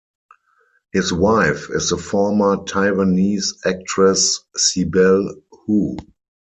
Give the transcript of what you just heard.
His wife is the former Taiwanese actress Sibelle Hu.